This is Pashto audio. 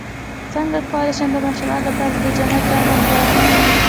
څنګه کولی شم د ماشومانو لپاره د جنت د امن بیان کړم